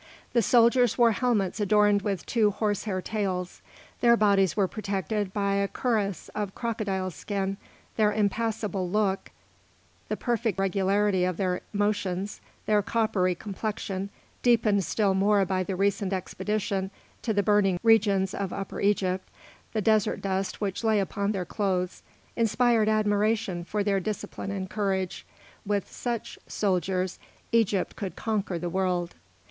The soldiers wore helmets adorned with two horse hair tails. Their bodies were protected by a cuirass of crocodile skin; their impassible look, the perfect regularity of their motions, their coppery complexion, deepened still more by the recent expedition to the burning regions of Upper Egypt, the desert dust which lay upon their clothes, inspired admiration for their discipline and courage. With such soldiers Egypt could conquer the world.